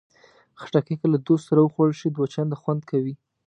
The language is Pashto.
خټکی که له دوست سره وخوړل شي، دوه چنده خوند کوي.